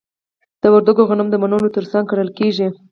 د وردګو غنم د مڼو ترڅنګ کرل کیږي.